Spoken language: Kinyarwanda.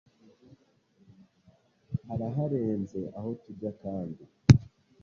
Haraharenze aho tujya kandi,